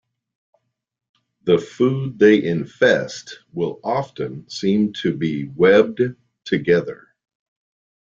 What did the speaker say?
The food they infest will often seem to be webbed together.